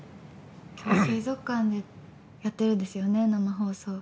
今日水族館でやってるんですかね、生放送。